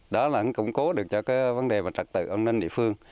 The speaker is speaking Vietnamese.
đó là cũng cố được cho vấn đề về trật tự an ninh địa phương